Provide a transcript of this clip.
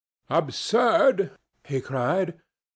"Absurd!" he cried.